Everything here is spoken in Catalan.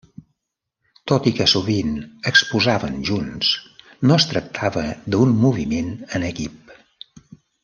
Tot i que sovint exposaven junts, no es tractava d'un moviment en equip.